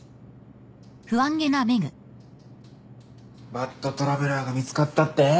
バッドトラベラーが見つかったって？